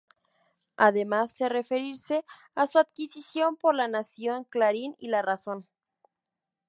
Además, se referirse a su adquisición por "La Nación", "Clarín" y "La Razón".